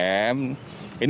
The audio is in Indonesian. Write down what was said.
kemudian untuk mereka ukm